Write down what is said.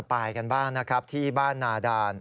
แต่ว่าไม่เป็นไรก็ไม่รู้ว่ามัน